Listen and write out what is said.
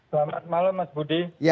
selamat malam mas budi